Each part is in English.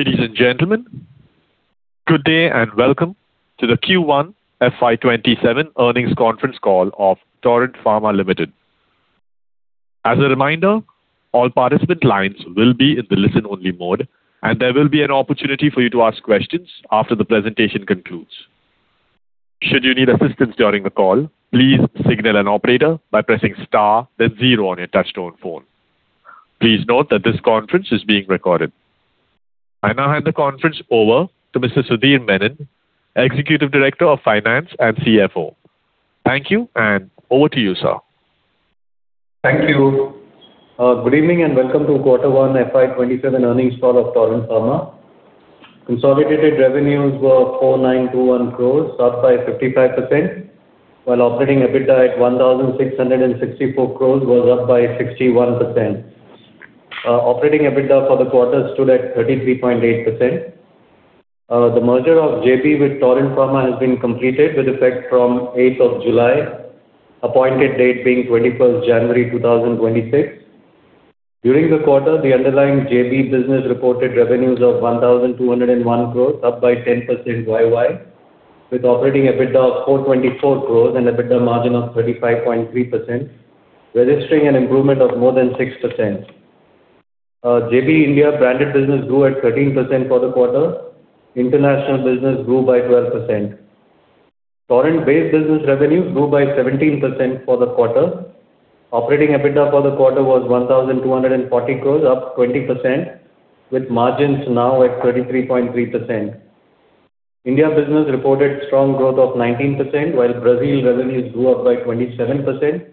Ladies and gentlemen, good day and welcome to the Q1 FY 2027 earnings conference call of Torrent Pharma Limited. As a reminder, all participant lines will be in the listen-only mode, and there will be an opportunity for you to ask questions after the presentation concludes. Should you need assistance during the call, please signal an operator by pressing star then zero on your touch-tone phone. Please note that this conference is being recorded. I now hand the conference over to Mr. Sudhir Menon, Executive Director of Finance and CFO. Thank you, and over to you, sir. Thank you. Good evening, welcome to quarter one FY 2027 earnings call of Torrent Pharma. Consolidated revenues were 4,921 crore, up by 55%, while operating EBITDA at 1,664 crore was up by 61%. Operating EBITDA for the quarter stood at 33.8%. The merger of JB with Torrent Pharma has been completed with effect from July 8th, appointed date being January 21st, 2026. During the quarter, the underlying JB business reported revenues of 1,201 crore, up by 10% YoY, with operating EBITDA of 424 crore and EBITDA margin of 35.3%, registering an improvement of more than 6%. JB India branded business grew at 13% for the quarter. International business grew by 12%. Torrent-based business revenues grew by 17% for the quarter. Operating EBITDA for the quarter was 1,240 crore, up 20%, with margins now at 33.3%. India business reported strong growth of 19%, while Brazil revenues grew up by 27%.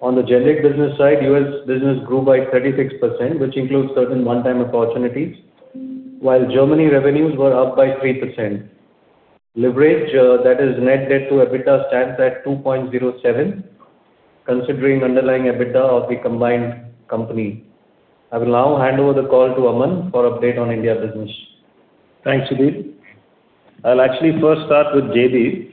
On the generic business side, U.S. business grew by 36%, which includes certain one-time opportunities, while Germany revenues were up by 3%. Leverage, that is net debt to EBITDA, stands at 2.07x, considering underlying EBITDA of the combined company. I will now hand over the call to Aman for update on India business. Thanks, Sudhir. I'll actually first start with JB.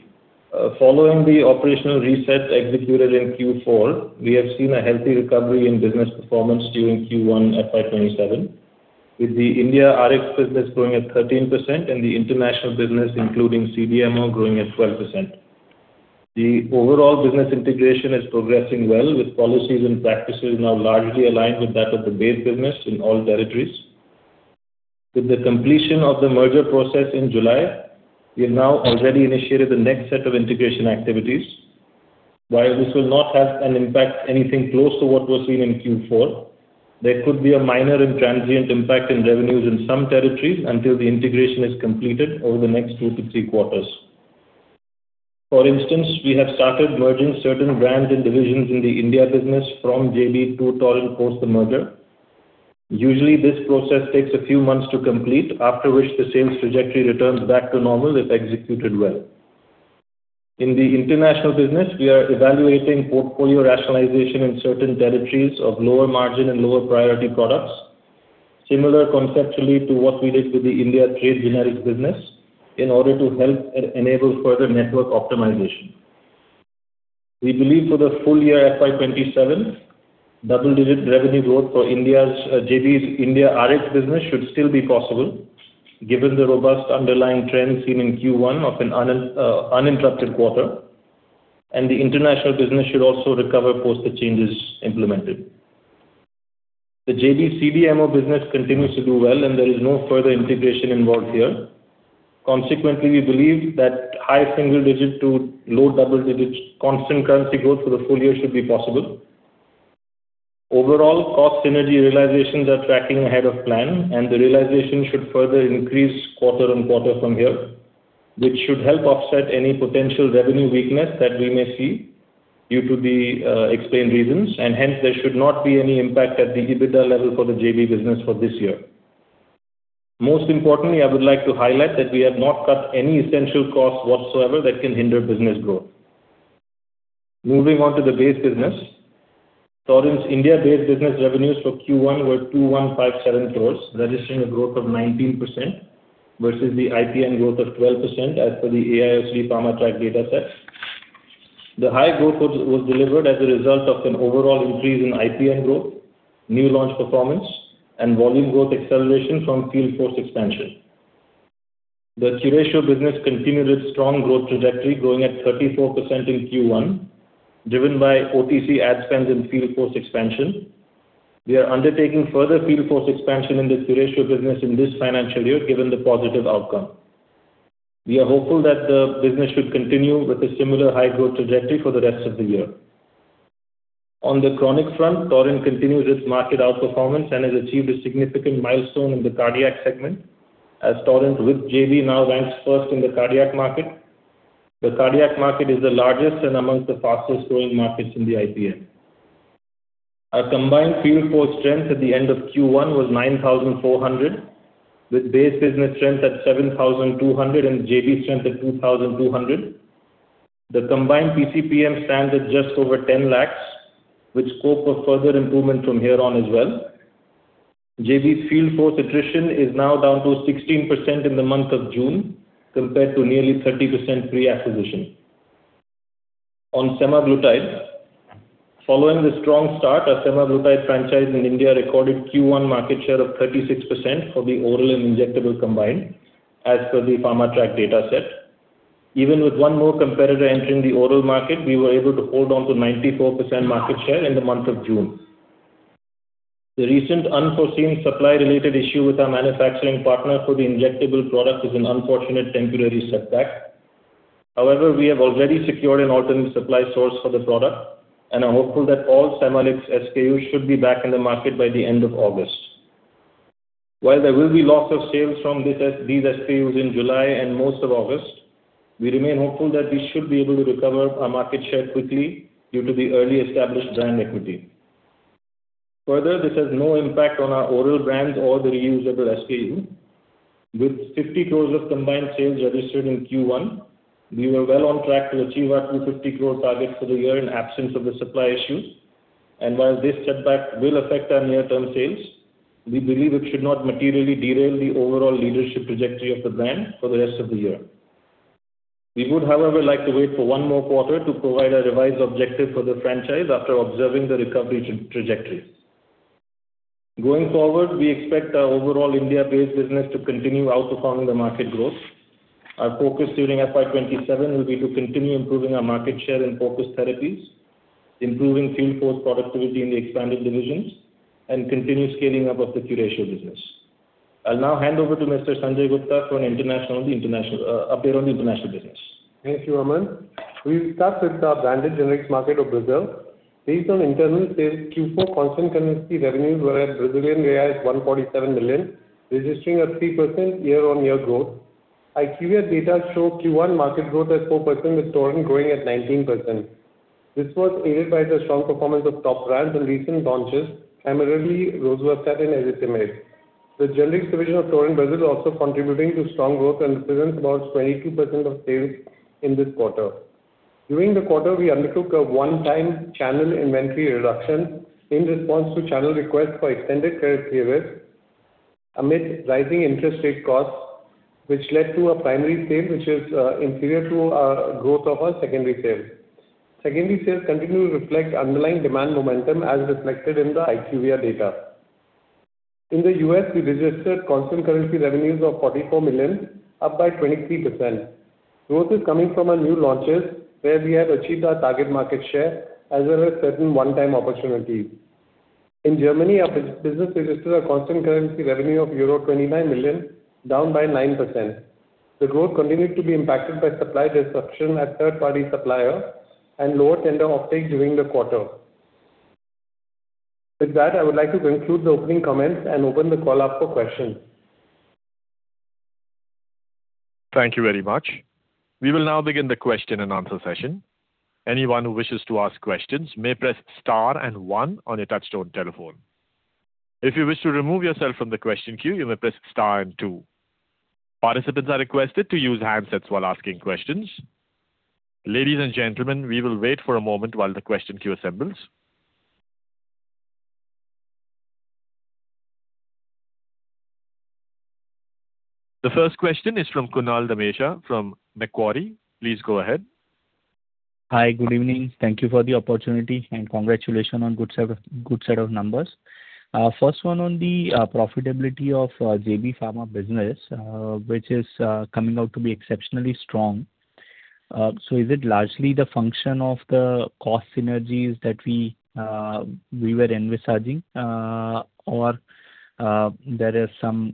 Following the operational reset executed in Q4, we have seen a healthy recovery in business performance during Q1 FY 2027, with the India Rx business growing at 13% and the International business, including CDMO, growing at 12%. The overall business integration is progressing well, with policies and practices now largely aligned with that of the base business in all territories. With the completion of the merger process in July, we have now already initiated the next set of integration activities. While this will not have an impact anything close to what was seen in Q4, there could be a minor and transient impact in revenues in some territories until the integration is completed over the next two to three quarters. For instance, we have started merging certain brands and divisions in the India business from JB to Torrent post the merger. Usually, this process takes a few months to complete, after which the sales trajectory returns back to normal if executed well. In the international business, we are evaluating portfolio rationalization in certain territories of lower margin and lower priority products, similar conceptually to what we did with the India trade generics business, in order to help and enable further network optimization. We believe for the full year FY 2027, double-digit revenue growth for JB's India Rx business should still be possible given the robust underlying trend seen in Q1 of an uninterrupted quarter, and the International business should also recover post the changes implemented. The JB CDMO business continues to do well, and there is no further integration involved here. Consequently, we believe that high single digit to low double-digit constant currency growth for the full year should be possible. Overall, cost synergy realizations are tracking ahead of plan. The realization should further increase quarter-on-quarter from here, which should help offset any potential revenue weakness that we may see due to the explained reasons. Hence, there should not be any impact at the EBITDA level for the JB business for this year. Most importantly, I would like to highlight that we have not cut any essential costs whatsoever that can hinder business growth. Moving on to the base business. Torrent's India-based business revenues for Q1 were 2,157 crore, registering a growth of 19% versus the IPM growth of 12% as per the AIOCD PharmaTrac data set. The high growth was delivered as a result of an overall increase in IPM growth, new launch performance, and volume growth acceleration from field force expansion. The Curatio business continued its strong growth trajectory, growing at 34% in Q1, driven by OTC ad spends and field force expansion. We are undertaking further field force expansion in the Curatio business in this financial year, given the positive outcome. We are hopeful that the business should continue with a similar high growth trajectory for the rest of the year. On the chronic front, Torrent continues its market outperformance and has achieved a significant milestone in the cardiac segment, as Torrent with JB now ranks first in the cardiac market. The cardiac market is the largest and amongst the fastest-growing markets in the IPM. Our combined field force strength at the end of Q1 was 9,400, with base business strength at 7,200 and JB strength at 2,200. The combined PCPM stands at just over 10 lakhs, with scope of further improvement from here on as well. JB's field force attrition is now down to 16% in the month of June, compared to nearly 30% pre-acquisition. On semaglutide. Following the strong start, our semaglutide franchise in India recorded Q1 market share of 36% for the oral and injectable combined, as per the PharmaTrac data set. Even with one more competitor entering the oral market, we were able to hold on to 94% market share in the month of June. The recent unforeseen supply-related issue with our manufacturing partner for the injectable product is an unfortunate temporary setback. We have already secured an alternate supply source for the product and are hopeful that all Semalix SKUs should be back in the market by the end of August. While there will be loss of sales from these [inaudible] in July and most of August, we remain hopeful that we should be able to recover our market share quickly due to the early established brand equity. Further, this has no impact on our oral brands or the reusable SKU. With 50 crore of combined sales registered in Q1, we were well on track to achieve our 250 crore target for the year in absence of the supply issues. While this setback will affect our near-term sales, we believe it should not materially derail the overall leadership trajectory of the brand for the rest of the year. We would, however, like to wait for one more quarter to provide a revised objective for the franchise after observing the recovery trajectory. Going forward, we expect our overall India-based business to continue outperforming the market growth. Our focus during FY 2027 will be to continue improving our market share in focused therapies, improving field force productivity in the expanded divisions, and continue scaling up of the Curatio business. I will now hand over to Mr. Sanjay Gupta for an update on the International business. Thank you, Aman. We will start with our branded generics market of Brazil. Based on internal sales, Q4 constant currency revenues were at Brazilian reais 147 million, registering a 3% year-on-year growth. IQVIA data show Q1 market growth at 4%, with Torrent growing at 19%. This was aided by the strong performance of top brands and recent launches, primarily rosuvastatin and azithromycin. The generics division of Torrent Brazil are also contributing to strong growth and represent about 22% of sales in this quarter. During the quarter, we undertook a one-time channel inventory reduction in response to channel requests for extended credit periods amid rising interest rate costs, which led to a primary sale, which is inferior to our growth of our secondary sales. Secondary sales continue to reflect underlying demand momentum as reflected in the IQVIA data. In the U.S., we registered constant currency revenues of $44 million, up by 23%. Growth is coming from our new launches, where we have achieved our target market share as well as certain one-time opportunities. In Germany, our business registered a constant currency revenue of euro 29 million, down by 9%. The growth continued to be impacted by supply disruption at third-party supplier and lower tender uptake during the quarter. I would like to conclude the opening comments and open the call up for questions. Thank you very much. We will now begin the question-and-answer session. Anyone who wishes to ask questions may press star and one on your touch-tone telephone. If you wish to remove yourself from the question queue, you may press star and two. Participants are requested to use handsets while asking questions. Ladies and gentlemen, we will wait for a moment while the question queue assembles. The first question is from Kunal Dhamesha from Macquarie. Please go ahead. Hi. Good evening. Thank you for the opportunity and congratulations on good set of numbers. First one on the profitability of JB Pharma business, which is coming out to be exceptionally strong. Is it largely the function of the cost synergies that we were envisaging, or there are some,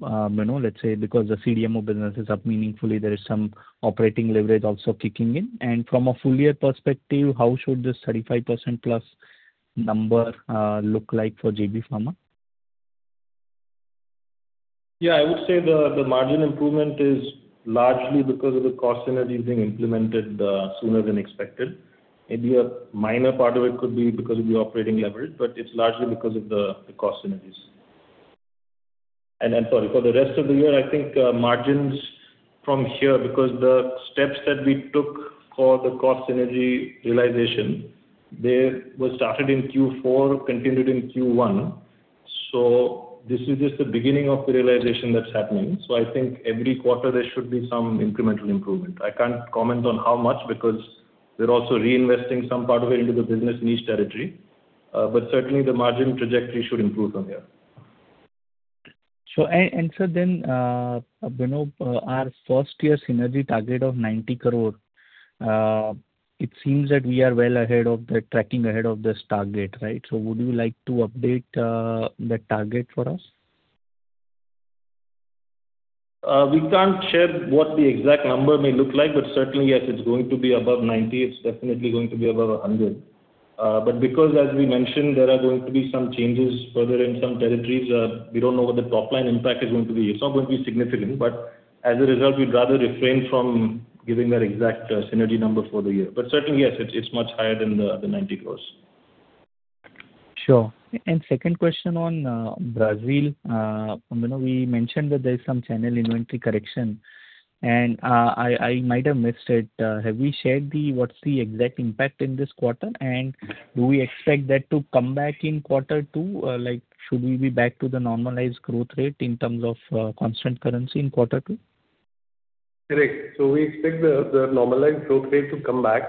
let's say, because the CDMO business is up meaningfully, there is some operating leverage also kicking in? From a full year perspective, how should this 35%+ number look like for JB Pharma? I would say the margin improvement is largely because of the cost synergies being implemented sooner than expected. Maybe a minor part of it could be because of the operating leverage, but it is largely because of the cost synergies. I'm sorry, for the rest of the year, I think margins from here, because the steps that we took for the cost synergy realization, they were started in Q4, continued in Q1. This is just the beginning of the realization that is happening. I think every quarter there should be some incremental improvement. I cannot comment on how much because we are also reinvesting some part of it into the business in each territory. Certainly the margin trajectory should improve from here. Sure. Sir, then, our first-year synergy target of 90 crore, it seems that we are well tracking ahead of this target, right? Would you like to update that target for us? We can't share what the exact number may look like, certainly, yes, it's going to be above 90. It's definitely going to be above 100. Because as we mentioned, there are going to be some changes further in some territories. We don't know what the top-line impact is going to be. It's not going to be significant, but as a result, we'd rather refrain from giving that exact synergy number for the year. Certainly, yes, it's much higher than the 90 crore. Sure. Second question on Brazil. We mentioned that there's some channel inventory correction, I might have missed it. Have we shared what's the exact impact in this quarter, do we expect that to come back in quarter two? Should we be back to the normalized growth rate in terms of constant currency in quarter two? Correct. We expect the normalized growth rate to come back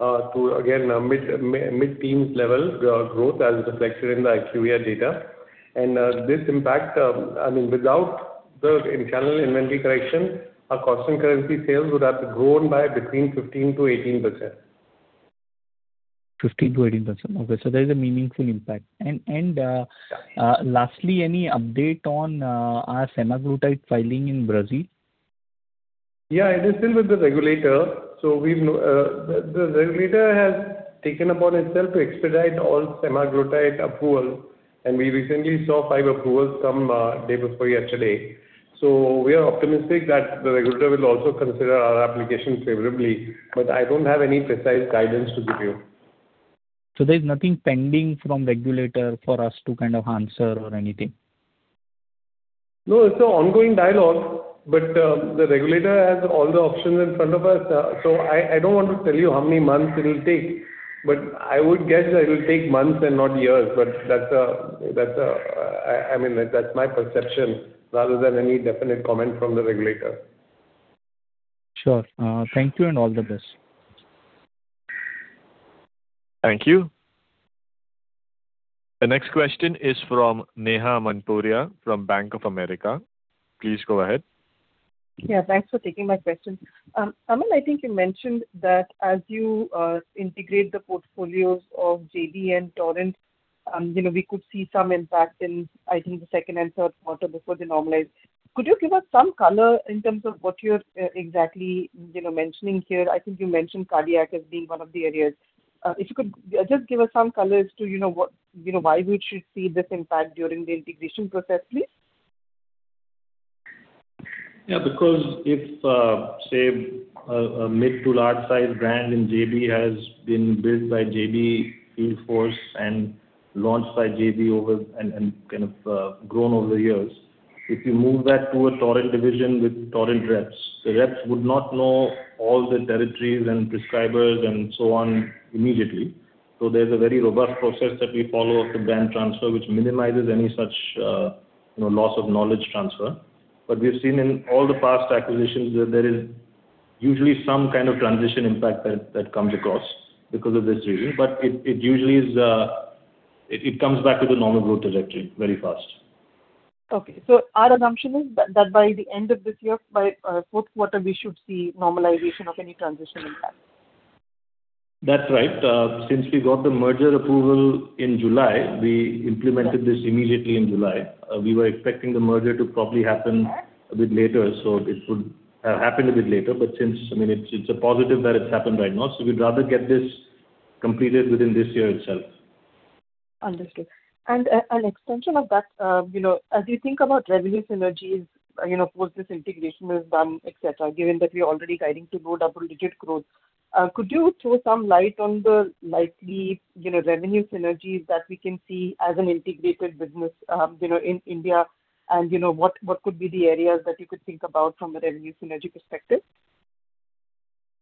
to, again, mid-teens level growth as reflected in the IQVIA data. This impact, without the internal inventory correction, our constant currency sales would have grown by between 15%-18%. 15%-18%, okay, there is a meaningful impact. Lastly, any update on our semaglutide filing in Brazil? It is still with the regulator. The regulator has taken upon itself to expedite all semaglutide approvals, and we recently saw five approvals come day before yesterday. We are optimistic that the regulator will also consider our application favorably, but I don't have any precise guidance to give you. There's nothing pending from regulator for us to kind of answer or anything? It's an ongoing dialogue. The regulator has all the options in front of us. I don't want to tell you how many months it'll take, but I would guess that it'll take months and not years. That's my perception rather than any definite comment from the regulator. Sure. Thank you and all the best. Thank you. The next question is from Neha Manpuria from Bank of America. Please go ahead. Yeah, thanks for taking my question. Aman, I think you mentioned that as you integrate the portfolios of JB and Torrent, we could see some impact in, I think, the second and third quarter before they normalize. Could you give us some color in terms of what you're exactly mentioning here? I think you mentioned cardiac as being one of the areas. If you could just give us some color as to why we should see this impact during the integration process, please. Yeah. If, say, a mid to large size brand in JB has been built by JB field force and launched by JB and grown over the years, if you move that to a Torrent division with Torrent reps, the reps would not know all the territories and prescribers and so on immediately. There's a very robust process that we follow of the brand transfer, which minimizes any such loss of knowledge transfer. We've seen in all the past acquisitions that there is usually some kind of transition impact that comes across because of this reason, but it usually comes back to the normal growth trajectory very fast. Okay. Our assumption is that by the end of this year, by fourth quarter, we should see normalization of any transition impact. That's right. Since we got the merger approval in July, we implemented this immediately in July. We were expecting the merger to probably happen a bit later, so it could happen a bit later. Since it's a positive that it's happened right now, we'd rather get this completed within this year itself. Understood. An extension of that, as you think about revenue synergies, once this integration is done, etc, given that we're already guiding to low double-digit growth, could you throw some light on the likely revenue synergies that we can see as an integrated business in India, and what could be the areas that you could think about from the revenue synergy perspective?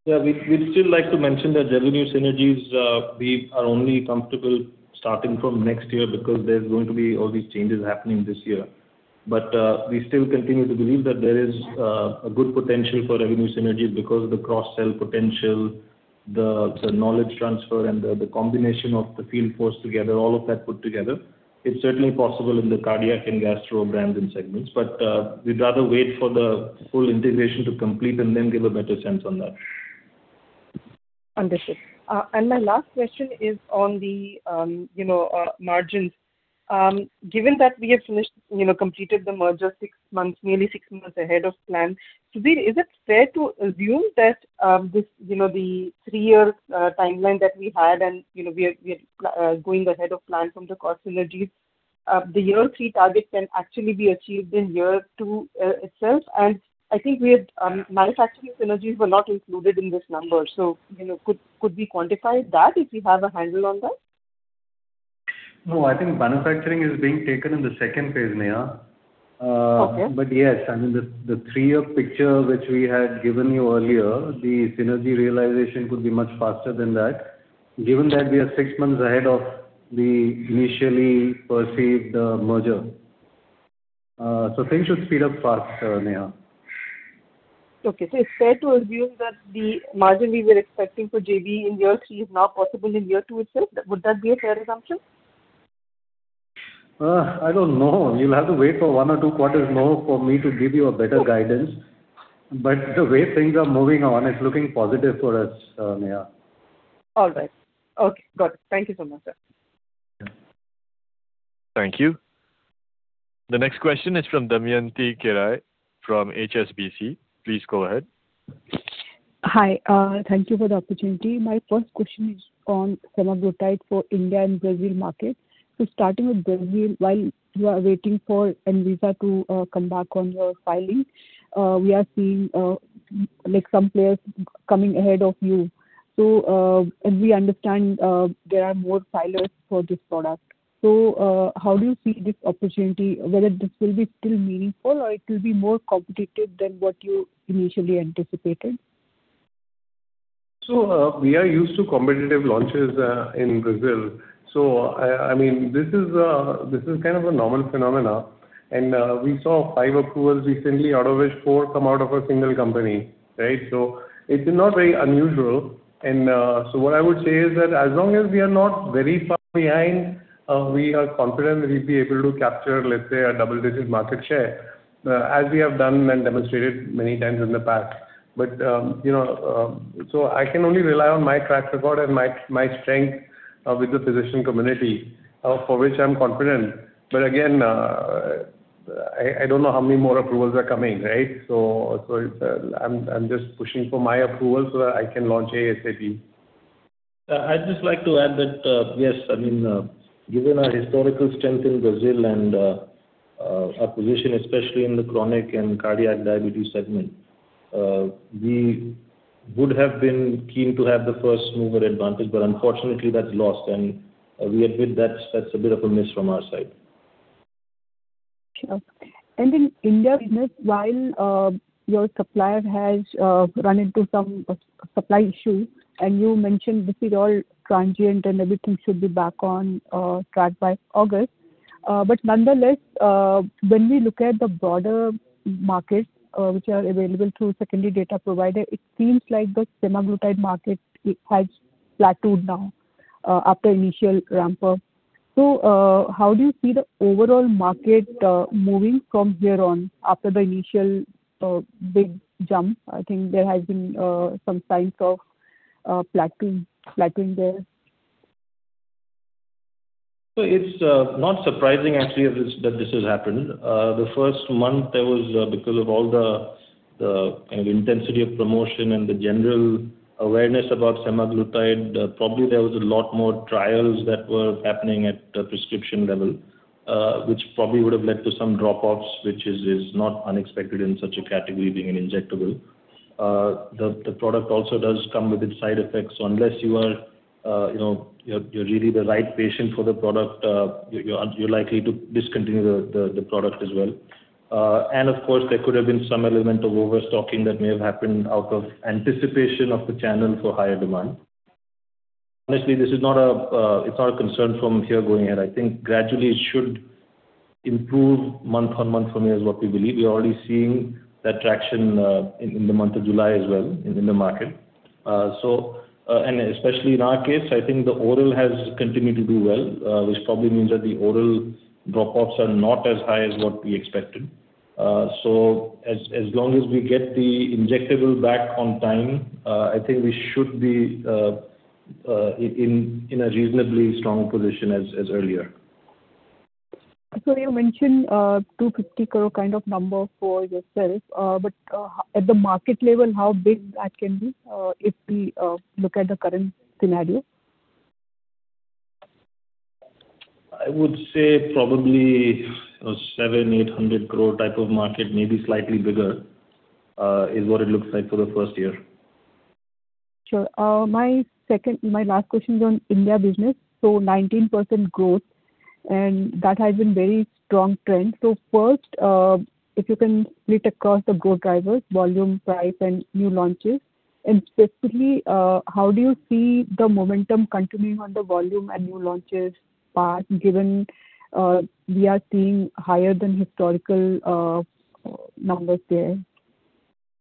Yeah. We'd still like to mention that revenue synergies, we are only comfortable starting from next year because there's going to be all these changes happening this year. We still continue to believe that there is a good potential for revenue synergies because of the cross-sell potential, the knowledge transfer and the combination of the field force together, all of that put together. It's certainly possible in the cardiac and gastro brands and segments, but we'd rather wait for the full integration to complete and then give a better sense on that. Understood. My last question is on the margins. Given that we have completed the merger nearly six months ahead of plan, Sudhir, is it fair to assume that the three-year timeline that we had, and we are going ahead of plan from the cost synergies, the year three target can actually be achieved in year two itself? I think manufacturing synergies were not included in this number, so could we quantify that if you have a handle on that? No, I think manufacturing is being taken in the second phase, Neha. Okay. Yes, the three-year picture which we had given you earlier, the synergy realization could be much faster than that, given that we are six months ahead of the initially perceived merger. Things should speed up faster, Neha. Okay. It's fair to assume that the margin we were expecting for JB in year three is now possible in year two itself. Would that be a fair assumption? I don't know. You'll have to wait for one or two quarters more for me to give you a better guidance. The way things are moving on, it's looking positive for us, Neha. All right. Okay. Got it. Thank you so much, sir. Thank you. The next question is from Damayanti Kerai from HSBC. Please go ahead. Hi. Thank you for the opportunity. My first question is on semaglutide for India and Brazil markets. Starting with Brazil, while you are waiting for ANVISA to come back on your filing, we are seeing some players coming ahead of you. We understand there are more filers for this product. How do you see this opportunity, whether this will be still meaningful or it will be more competitive than what you initially anticipated? We are used to competitive launches in Brazil. This is kind of a normal phenomenon. We saw five approvals recently, out of which four come out of a single company, right? It's not very unusual. What I would say is that as long as we are not very far behind, we are confident we'll be able to capture, let's say, a double-digit market share, as we have done and demonstrated many times in the past. I can only rely on my track record and my strength with the physician community, for which I'm confident. Again, I don't know how many more approvals are coming, right? I'm just pushing for my approval so that I can launch ASAP. I'd just like to add that, yes, given our historical strength in Brazil and our position, especially in the chronic and cardiac diabetes segment, we would have been keen to have the first-mover advantage, but unfortunately that's lost. We admit that's a bit of a miss from our side. Sure. In India business, while your supplier has run into some supply issues, you mentioned this is all transient and everything should be back on track by August. Nonetheless, when we look at the broader markets which are available through secondary data provider, it seems like the semaglutide market has plateaued now after initial ramp-up. How do you see the overall market moving from here on after the initial big jump? I think there has been some signs of plateauing there. It's not surprising actually that this has happened. The first month there was, because of all the intensity of promotion and the general awareness about semaglutide, probably there was a lot more trials that were happening at the prescription level, which probably would have led to some drop-offs, which is not unexpected in such a category being an injectable. The product also does come with its side effects. Unless you're really the right patient for the product, you're likely to discontinue the product as well. Of course, there could have been some element of overstocking that may have happened out of anticipation of the channel for higher demand. Honestly, it's not a concern from here going ahead. I think gradually it should improve month-on-month from here, is what we believe. We're already seeing that traction in the month of July as well in the market. Especially in our case, I think the oral has continued to do well, which probably means that the oral drop-offs are not as high as what we expected. As long as we get the injectable back on time, I think we should be in a reasonably strong position as earlier. You mentioned 250 crore kind of number for yourself. At the market level, how big that can be if we look at the current scenario? I would say probably 700 crore, 800 crore type of market, maybe slightly bigger, is what it looks like for the first year. Sure. My last question is on India business. 19% growth, and that has been very strong trend. First, if you can split across the growth drivers, volume, price, and new launches, and specifically, how do you see the momentum continuing on the volume and new launches part, given we are seeing higher than historical numbers there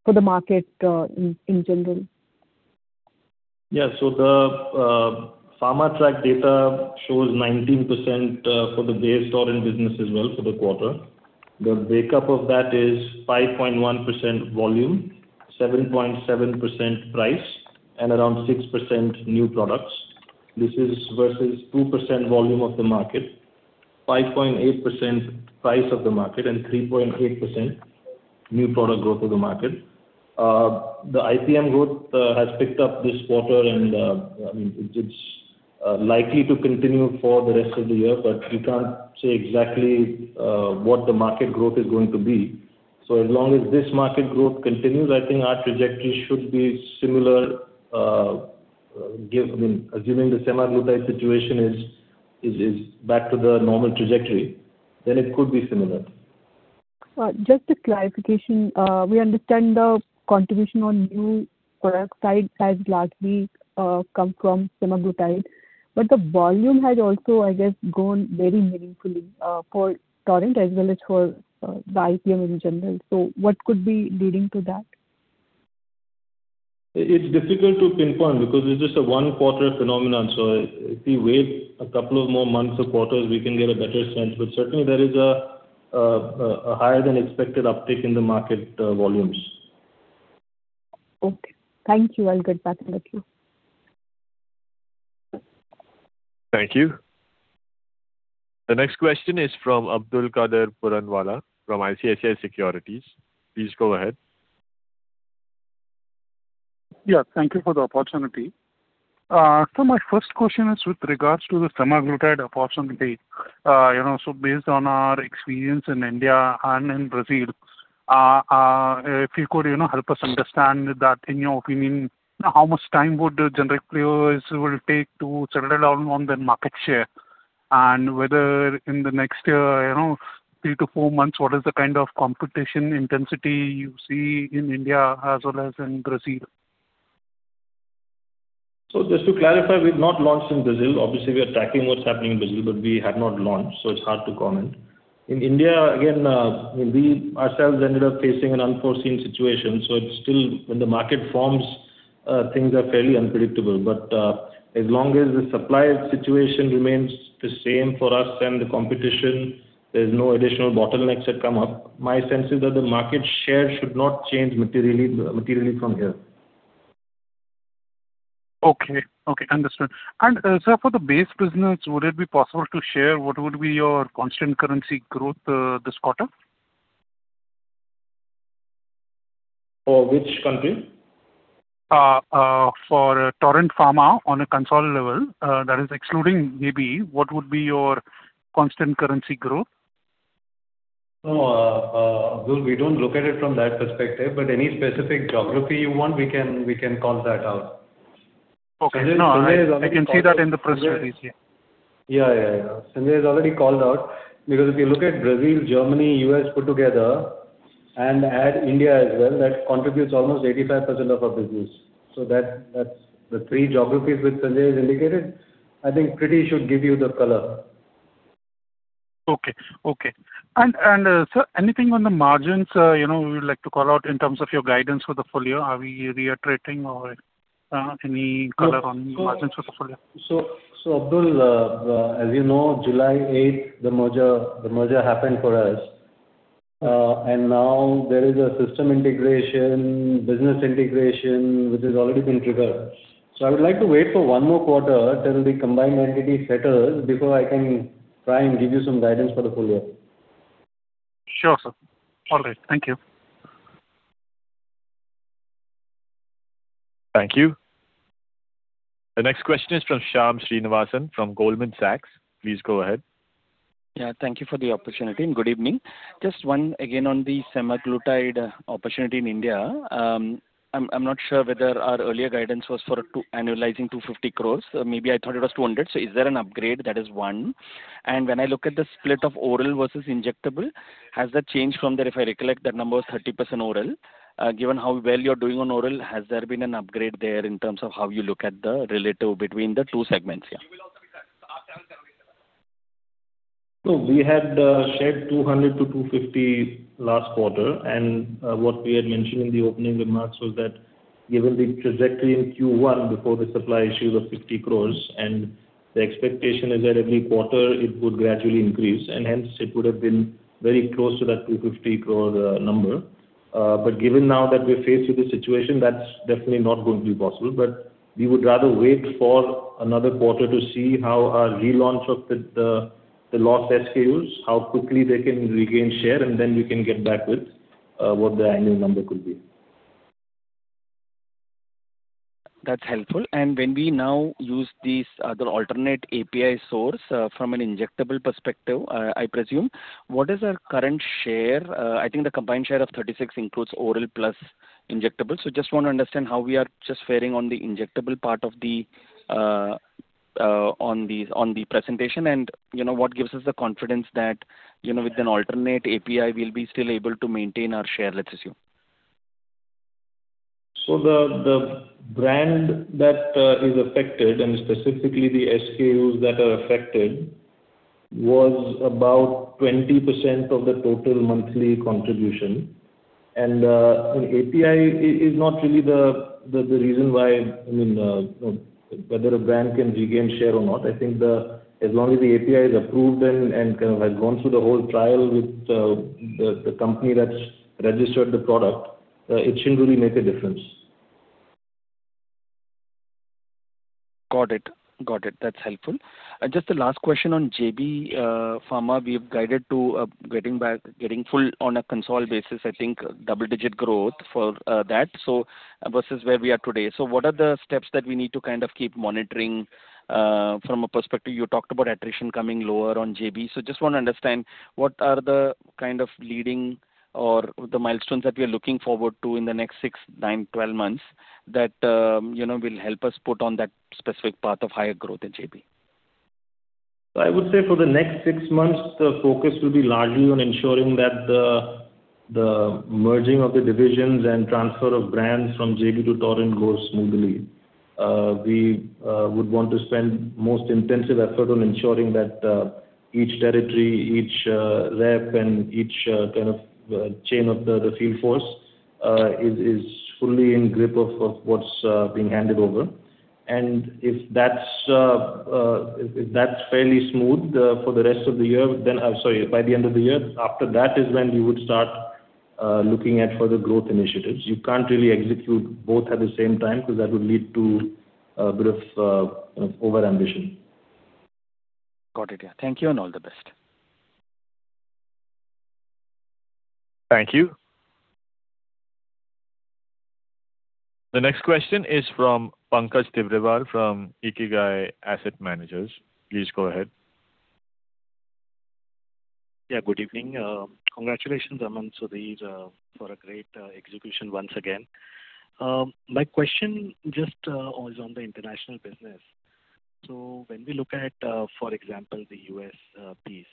for the market in general? Yeah. The PharmaTrac data shows 19% for the base Torrent business as well for the quarter. The breakup of that is 5.1% volume, 7.7% price, and around 6% new products. This is versus 2% volume of the market, 5.8% price of the market, and 3.8% new product growth of the market. The IPM growth has picked up this quarter and it's likely to continue for the rest of the year, but we can't say exactly what the market growth is going to be. As long as this market growth continues, I think our trajectory should be similar, assuming the semaglutide situation is back to the normal trajectory, then it could be similar. Just a clarification. We understand the contribution on new product side has largely come from semaglutide, the volume has also, I guess, grown very meaningfully, for Torrent as well as for the IPM in general. What could be leading to that? It's difficult to pinpoint because it's just a one-quarter phenomenon. If we wait a couple of more months or quarters, we can get a better sense. Certainly there is a higher than expected uptick in the market volumes. Okay. Thank you. I was good talking with you. Thank you. The next question is from Abdulkader Puranwala, from ICICI Securities. Please go ahead. Yeah. Thank you for the opportunity. My first question is with regards to the semaglutide opportunity. Based on our experience in India and in Brazil, if you could help us understand that in your opinion, how much time would generic players will take to settle down on their market share whether in the next three to four months, what is the kind of competition intensity you see in India as well as in Brazil? Just to clarify, we've not launched in Brazil. Obviously, we are tracking what's happening in Brazil, but we have not launched, so it's hard to comment. In India, again, we ourselves ended up facing an unforeseen situation, it's still when the market forms, things are fairly unpredictable. As long as the supply situation remains the same for us and the competition, there's no additional bottlenecks that come up, my sense is that the market share should not change materially from here. Okay. Understood. Sir, for the base business, would it be possible to share what would be your constant currency growth this quarter? For which country? For Torrent Pharma on a consolidated level, that is excluding maybe, what would be your constant currency growth? No, Abdul, we don't look at it from that perspective. Any specific geography you want, we can call that out. Okay. No, I can see that in the presentation. Yeah. Sanjay has already called out, because if you look at Brazil, Germany, U.S. put together and add India as well, that contributes almost 85% of our business. That's the three geographies which Sanjay has indicated, I think pretty should give you the color. Sir, anything on the margins, we would like to call out in terms of your guidance for the full year. Are we reiterating or any color on margins for the full year? Abdul, as you know, July 8th, the merger happened for us. Now there is a system integration, business integration, which has already been triggered. I would like to wait for one more quarter till the combined entity settles before I can try and give you some guidance for the full year. Sure, sir. All right. Thank you. Thank you. The next question is from Shyam Srinivasan from Goldman Sachs. Please go ahead. Yeah. Thank you for the opportunity, and good evening. Just one again on the semaglutide opportunity in India. I'm not sure whether our earlier guidance was for annualizing 250 crore. Maybe I thought it was 200. Is there an upgrade? That is one. When I look at the split of oral versus injectable, has that changed from there? If I recollect, that number was 30% oral. Given how well you're doing on oral, has there been an upgrade there in terms of how you look at the relative between the two segments? Yeah. No, we had shared 200-250 last quarter. What we had mentioned in the opening remarks was that given the trajectory in Q1 before the supply issues of 50 crore, and the expectation is that every quarter it would gradually increase, and hence it would've been very close to that 250 crore number. Given now that we're faced with the situation, that's definitely not going to be possible. We would rather wait for another quarter to see how our relaunch of the lost SKUs, how quickly they can regain share, then we can get back with what the annual number could be. That's helpful. When we now use these other alternate API source from an injectable perspective, I presume, what is our current share? I think the combined share of 36% includes oral plus injectable. Just want to understand how we are just fairing on the injectable part on the presentation and what gives us the confidence that with an alternate API, we'll be still able to maintain our share, let's assume. The brand that is affected, specifically the SKUs that are affected was about 20% of the total monthly contribution. API is not really the reason why, whether a brand can regain share or not. I think as long as the API is approved and kind of has gone through the whole trial with the company that's registered the product, it shouldn't really make a difference. Got it. That's helpful. Just the last question on JB Pharma. We've guided to getting full on a console basis, I think double-digit growth for that, versus where we are today. What are the steps that we need to kind of keep monitoring, from a perspective you talked about attrition coming lower on JB. Just want to understand, what are the kind of leading or the milestones that we are looking forward to in the next six, nine, 12 months that will help us put on that specific path of higher growth at JB? I would say for the next six months, the focus will be largely on ensuring that the merging of the divisions and transfer of brands from JB to Torrent goes smoothly. We would want to spend most intensive effort on ensuring that each territory, each rep, and each kind of chain of the field force is fully in grip of what's being handed over. If that's fairly smooth for the rest of the year, by the end of the year, after that is when we would start looking at further growth initiatives. You can't really execute both at the same time because that would lead to a bit of over-ambition. Got it. Yeah. Thank you, and all the best. Thank you. The next question is from Pankaj Tibrewal from Ikigai Asset Manager. Please go ahead. Yeah. Good evening. Congratulations, Aman, Sudhir, for a great execution once again. My question just is on the International business. When we look at, for example, the U.S. piece,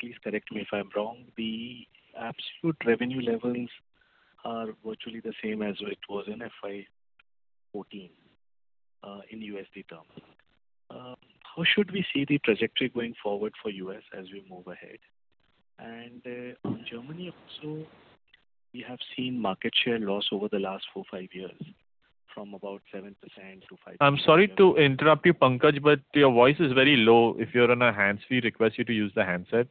please correct me if I'm wrong, the absolute revenue levels are virtually the same as it was in FY 2014, in USD terms. How should we see the trajectory going forward for U.S. as we move ahead? On Germany also, we have seen market share loss over the last four, five years, from about 7%-5%. I'm sorry to interrupt you, Pankaj, but your voice is very low. If you're on a hands-free, we request you to use the handset.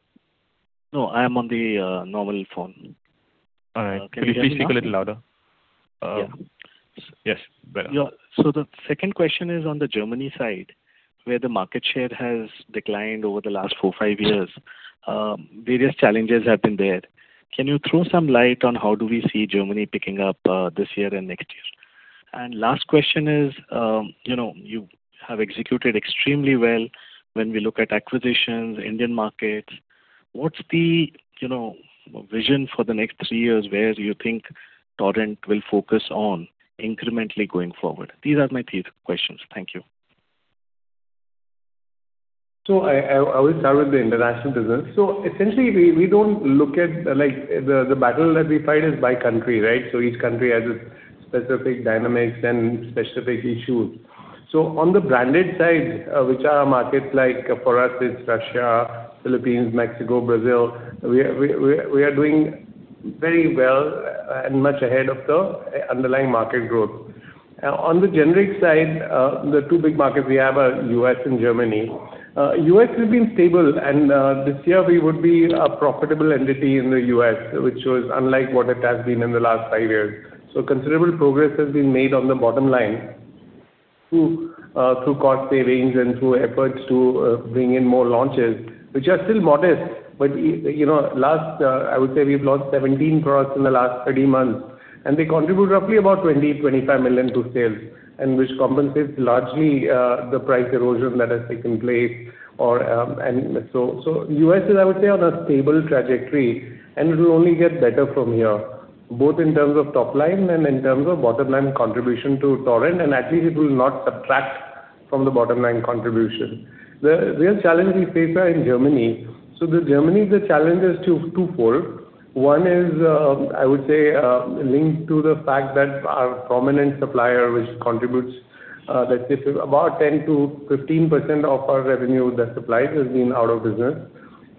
No, I am on the normal phone. All right. Could you please speak a little louder? Yeah. Yes, better. The second question is on the Germany side, where the market share has declined over the last four, five years. Various challenges have been there. Can you throw some light on how do we see Germany picking up this year and next year? Last question is, you have executed extremely well when we look at acquisitions, Indian markets. What's the vision for the next three years? Where do you think Torrent will focus on incrementally going forward? These are my three questions. Thank you. I will start with the International business. Essentially, the battle that we fight is by country, right? Each country has its specific dynamics and specific issues. On the branded side, which are markets like, for us, it's Russia, Philippines, Mexico, Brazil, we are doing very well and much ahead of the underlying market growth. On the generic side, the two big markets we have are U.S. and Germany. U.S. has been stable, and this year we would be a profitable entity in the U.S., which was unlike what it has been in the last five years. Considerable progress has been made on the bottom line through cost savings and through efforts to bring in more launches, which are still modest, but I would say we've launched 17 products in the last 30 months, which contribute roughly about $20 million-$25 million to sales, which compensates largely the price erosion that has taken place. U.S. is, I would say, on a stable trajectory, and it will only get better from here, both in terms of top line and in terms of bottom-line contribution to Torrent, and at least it will not subtract from the bottom-line contribution. The real challenge we face are in Germany. Germany, the challenge is twofold. One is, I would say, linked to the fact that our prominent supplier, which contributes, let's say, about 10%-15% of our revenue, that supplies, has been out of business.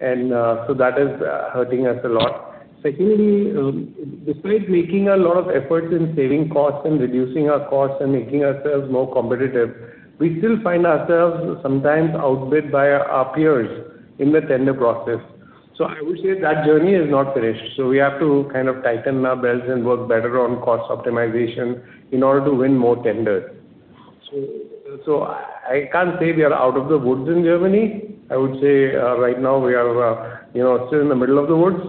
That is hurting us a lot. Secondly, despite making a lot of efforts in saving costs and reducing our costs and making ourselves more competitive, we still find ourselves sometimes outbid by our peers in the tender process. I would say that journey is not finished. We have to kind of tighten our belts and work better on cost optimization in order to win more tenders. I can't say we are out of the woods in Germany. I would say right now we are still in the middle of the woods.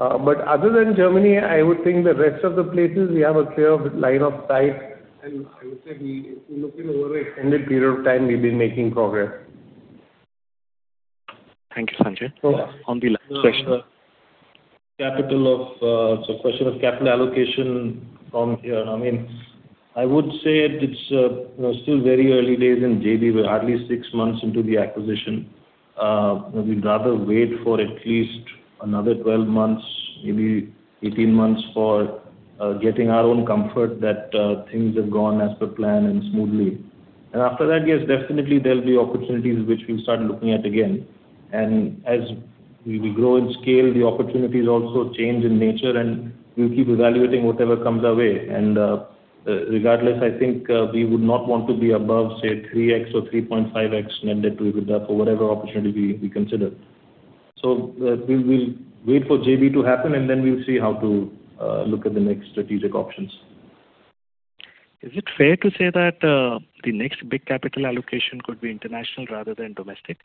Other than Germany, I would think the rest of the places, we have a clear line of sight, and I would say if we look in over an extended period of time, we've been making progress. Thank you, Sanjay. On the last question. Question of capital allocation from here. I would say it's still very early days in JB. We're hardly six months into the acquisition. We'd rather wait for at least another 12 months, maybe 18 months for getting our own comfort that things have gone as per plan and smoothly. After that, yes, definitely there'll be opportunities which we'll start looking at again. As we grow in scale, the opportunities also change in nature, and we'll keep evaluating whatever comes our way. Regardless, I think we would not want to be above, say, 3x or 3.5x net debt to EBITDA for whatever opportunity we consider. We'll wait for JB to happen, and then we'll see how to look at the next strategic options. Is it fair to say that the next big capital allocation could be international rather than domestic?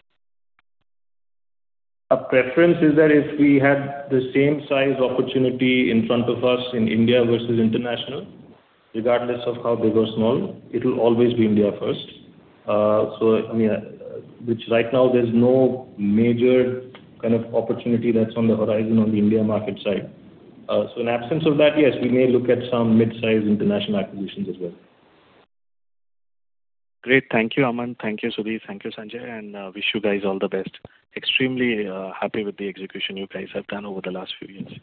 Our preference is that if we have the same size opportunity in front of us in India versus international, regardless of how big or small, it will always be India first. Which right now there's no major kind of opportunity that's on the horizon on the India market side. So in absence of that, yes, we may look at some mid-size international acquisitions as well. Great. Thank you, Aman. Thank you, Sudhir. Thank you, Sanjay. And wish you guys all the best. Extremely happy with the execution you guys have done over the last few years.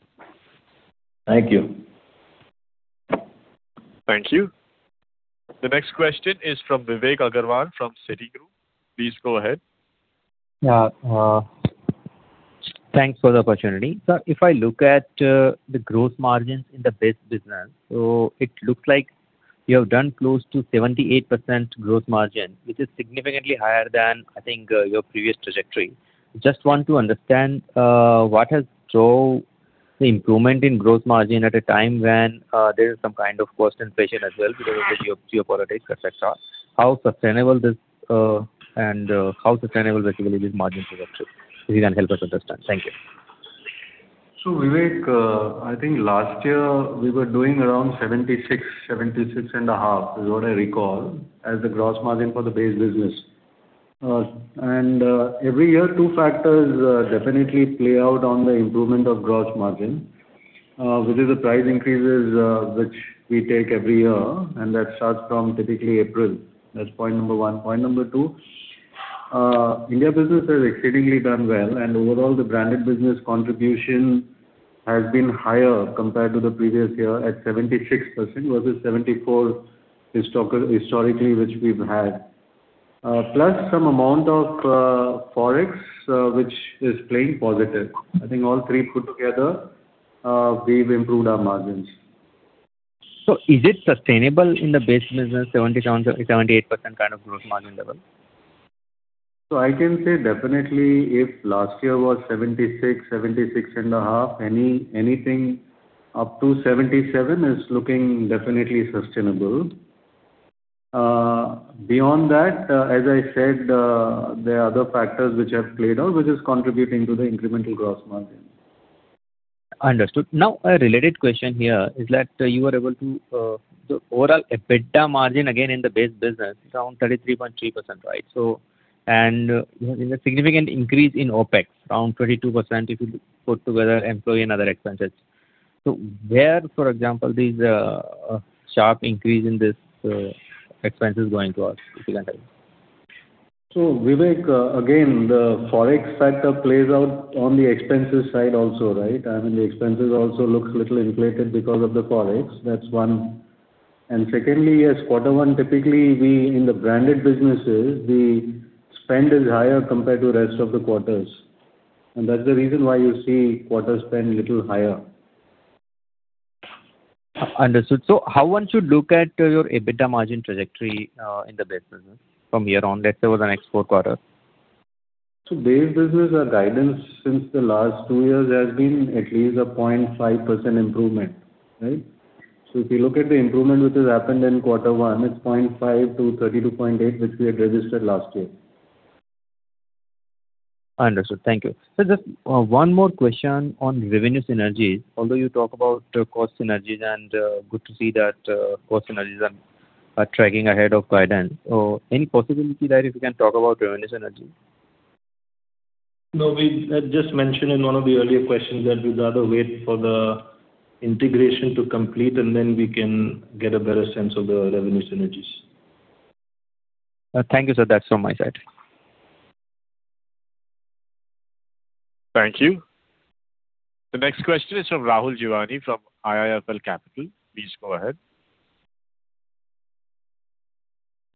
Thank you. Thank you. The next question is from Vivek Agrawal from Citigroup. Please go ahead. Thanks for the opportunity. If I look at the gross margins in the base business, it looks like you have done close to 78% gross margin, which is significantly higher than, I think, your previous trajectory. Just want to understand what has driven the improvement in gross margin at a time when there is some kind of cost inflation as well because of the geopolitics, etc. How sustainable, basically, is this margin trajectory? If you can help us understand. Thank you. Vivek, I think last year we were doing around 76%-76.5%, is what I recall as the gross margin for the base business. Every year, two factors definitely play out on the improvement of gross margin, which is the price increases which we take every year, and that starts from typically April. That's point number one. Point number two, India business has exceedingly done well, and overall the branded business contribution has been higher compared to the previous year at 76% versus 74% historically which we've had. Plus some amount of Forex, which is playing positive. I think all three put together, we've improved our margins. Is it sustainable in the base business, 77%-78% kind of gross margin level? I can say definitely if last year was 76%-76.5%, anything up to 77% is looking definitely sustainable. Beyond that, as I said, there are other factors which have played out, which is contributing to the incremental gross margin. Understood. Now, a related question here is that the overall EBITDA margin again in the base business is around 33.3%, right? There's a significant increase in OpEx, around 22% if you put together employee and other expenses. Where, for example, these sharp increase in these expenses going towards, if you can tell me. Vivek, again, the Forex factor plays out on the expenses side also, right? I mean, the expenses also looks little inflated because of the Forex. That's one. Secondly, yes, quarter one, typically in the branded businesses, the spend is higher compared to rest of the quarters. That's the reason why you see quarter spend little higher. Understood. How once you look at your EBITDA margin trajectory, in the base business from here on, let's say, over the next four quarters? Base business, our guidance since the last two years has been at least a 0.5% improvement, right? If you look at the improvement which has happened in quarter one, it's 0.5%-32.8%, which we had registered last year. Understood. Thank you. Sir, just one more question on revenue synergies. Although you talk about cost synergies, and good to see that cost synergies are tracking ahead of guidance. Any possibility that if you can talk about revenue synergies? No, I just mentioned in one of the earlier questions that we'd rather wait for the integration to complete, and then we can get a better sense of the revenue synergies. Thank you, sir. That's from my side. Thank you. The next question is from Rahul Jeewani, from IIFL Capital. Please go ahead.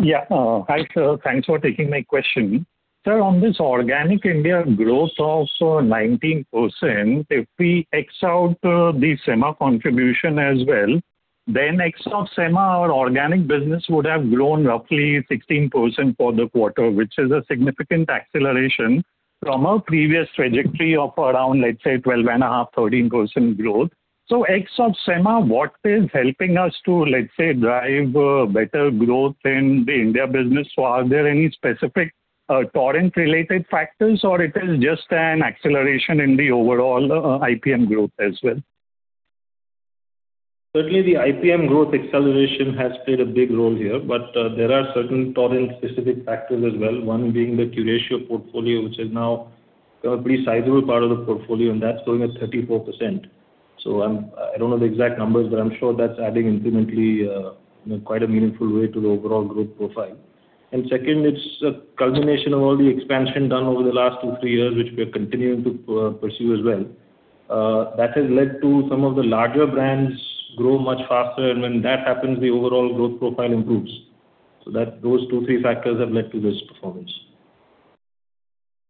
Yeah. Hi, sir. Thanks for taking my question. Sir, on this organic India growth of 19%, if we ex out the Sema contribution as well, ex of Sema, our organic business would have grown roughly 16% for the quarter, which is a significant acceleration from our previous trajectory of around, let's say, 12.5%, 13% growth. So ex Sema, what is helping us to-- Lets says drive better growth and being there are there any specific Torrent-related factors, or it is just an acceleration in the overall IPM growth as well? Certainly, the IPM growth acceleration has played a big role here, but there are certain Torrent-specific factors as well. One being the Curatio portfolio, which is now a pretty sizable part of the portfolio, and that's growing at 34%. I don't know the exact numbers, but I'm sure that's adding incrementally in a quite a meaningful way to the overall group profile. Second, it's a culmination of all the expansion done over the last two, three years, which we are continuing to pursue as well. That has led to some of the larger brands grow much faster. When that happens, the overall growth profile improves. Those two, three factors have led to this performance.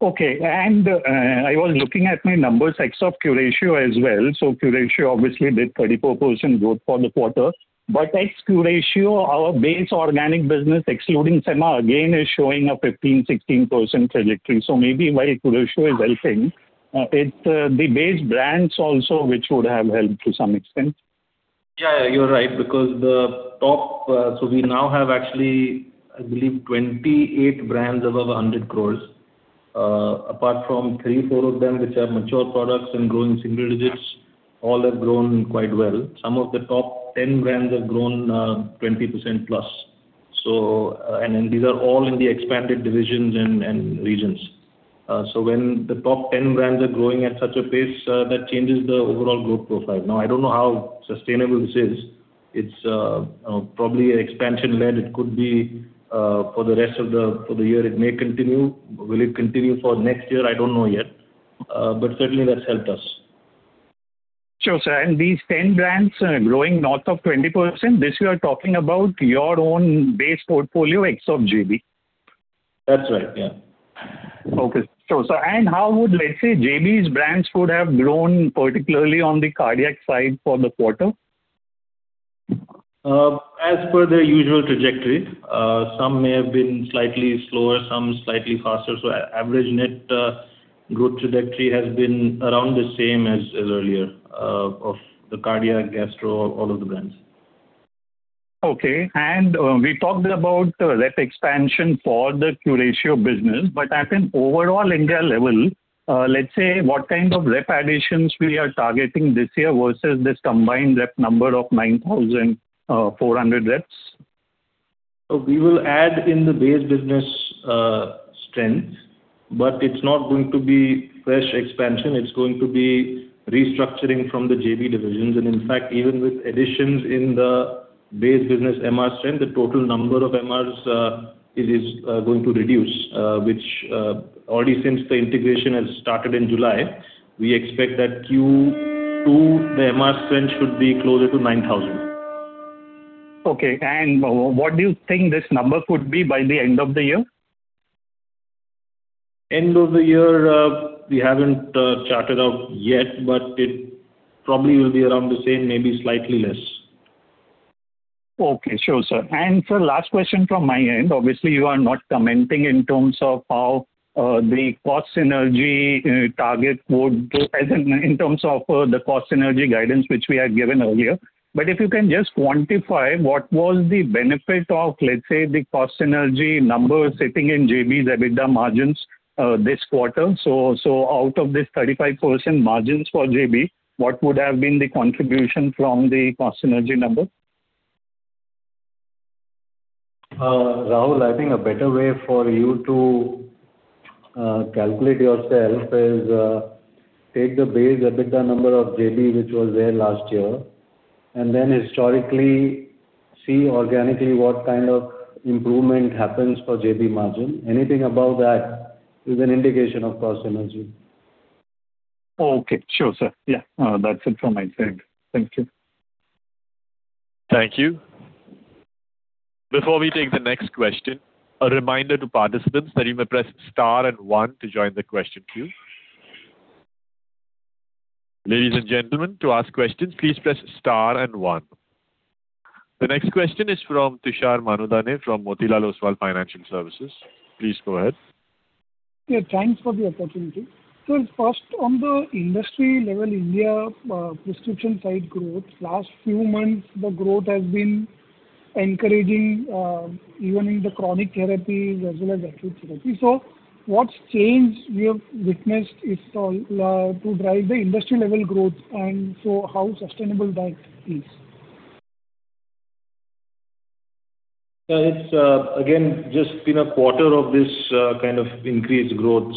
Okay. I was looking at my numbers, ex of Curatio as well. Curatio obviously did 34% growth for the quarter. ex Curatio, our base organic business, excluding Sema again is showing a 15%, 16% trajectory. Maybe while Curatio is helping, it's the base brands also which would have helped to some extent. Yeah, you're right. We now have actually, I believe, 28 brands above 100 crore. Apart from three, four of them which are mature products and growing single digits, all have grown quite well. Some of the top 10 brands have grown 20%+. These are all in the expanded divisions and regions. When the top 10 brands are growing at such a pace, that changes the overall growth profile. Now, I don't know how sustainable this is. It's probably expansion-led. It could be for the rest of the year it may continue. Will it continue for next year? I don't know yet. Certainly that's helped us. Sure, sir. These 10 brands growing north of 20%, this you are talking about your own base portfolio, ex of JB? That's right, yeah. Okay. Sure, sir. How would, let's say, JB's brands could have grown particularly on the cardiac side for the quarter? As per their usual trajectory. Some may have been slightly slower, some slightly faster. Average net growth trajectory has been around the same as earlier, of the cardiac, gastro, all of the brands. Okay. We talked about rep expansion for the Curatio business. At an overall India level, let's say, what kind of rep additions we are targeting this year versus this combined rep number of 9,400 reps? We will add in the base business strength, but it's not going to be fresh expansion, it's going to be restructuring from the JB divisions. In fact, even with additions in the base business MR strength, the total number of MRs is going to reduce, which already since the integration has started in July, we expect that Q2, the MR strength should be closer to 9,000. Okay. What do you think this number could be by the end of the year? End of the year, we haven't charted out yet, but it probably will be around the same, maybe slightly less. Okay, sure, sir. Sir, last question from my end. Obviously, you are not commenting in terms of how the cost synergy target would do as in terms of the cost synergy guidance, which we had given earlier. If you can just quantify what was the benefit of, let's say, the cost synergy number sitting in JB's EBITDA margins this quarter. Out of this 35% margins for JB, what would have been the contribution from the cost synergy number? Rahul, I think a better way for you to calculate yourself is take the base EBITDA number of JB, which was there last year, and then historically see organically what kind of improvement happens for JB margin. Anything above that is an indication of cost synergy. Okay, sure, sir. Yeah. That's it from my side. Thank you. Thank you. Before we take the next question, a reminder to participants that you may press star and one to join the question queue. Ladies and gentlemen, to ask questions, please press star and one. The next question is from Tushar Manudhane from Motilal Oswal Financial Services. Please go ahead. Thanks for the opportunity. First, on the industry level, India prescription side growth, last few months, the growth has been encouraging, even in the chronic therapies as well as acute therapy. What's changed we have witnessed to drive the industry-level growth, how sustainable that is? It's again, just been a quarter of this kind of increased growth.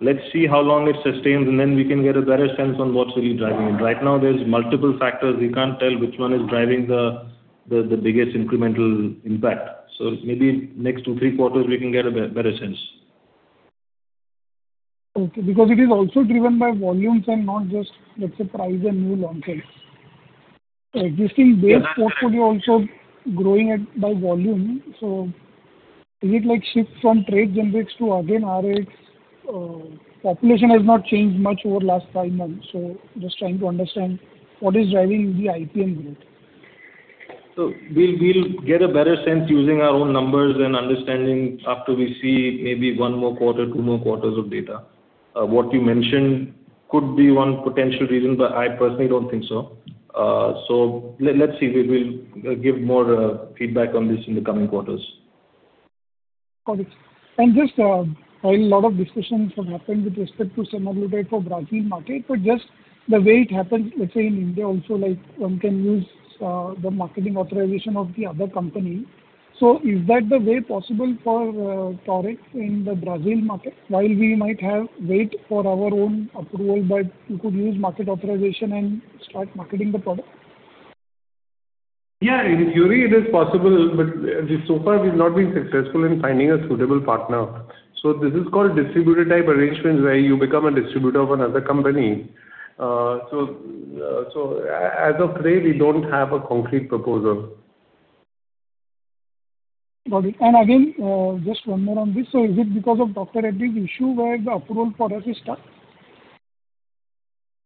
Let's see how long it sustains, then we can get a better sense on what's really driving it. Right now, there's multiple factors. We can't tell which one is driving the biggest incremental impact. Maybe next two, three quarters, we can get a better sense. Okay, because it is also driven by volumes and not just, let's say, price and new launches. Existing base- Yeah. ...portfolio also growing by volume. Is it like shift from trade generics to again, Rx? Population has not changed much over last five months. Just trying to understand what is driving the IPM growth. We'll get a better sense using our own numbers and understanding after we see maybe one more quarter, two more quarters of data. What you mentioned could be one potential reason, I personally don't think so. Let's see. We'll give more feedback on this in the coming quarters. Got it. Just while a lot of discussions have happened with respect to semaglutide for Brazil market, but just the way it happens, let's say in India also one can use the marketing authorization of the other company. Is that the way possible for Torrent in the Brazil market? While we might have wait for our own approval, but you could use market authorization and start marketing the product. Yeah, in theory, it is possible, but so far we've not been successful in finding a suitable partner. This is called distributor-type arrangements where you become a distributor of another company. As of today, we don't have a concrete proposal. Got it. Again, just one more on this. Is it because of Dr. Reddy's issue where the approval for us is stuck?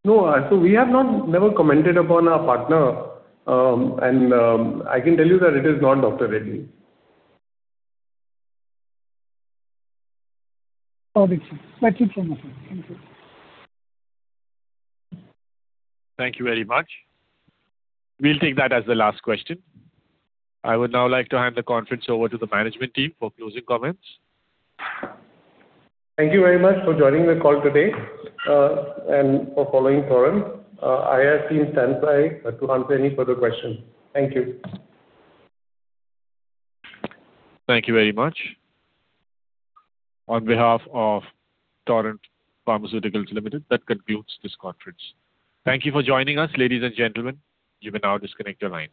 No. We have never commented upon our partner. I can tell you that it is not Dr. Reddy. Got it, sir. That's it from my side. Thank you. Thank you very much. We'll take that as the last question. I would now like to hand the conference over to the management team for closing comments. Thank you very much for joining the call today, and for following Torrent. IR team stands by to answer any further questions. Thank you. Thank you very much. On behalf of Torrent Pharmaceuticals Limited, that concludes this conference. Thank you for joining us, ladies and gentlemen. You may now disconnect your lines.